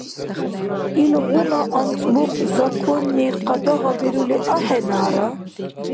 Илгъуна анцӀбукь законни къадагъабирули ахӀенара?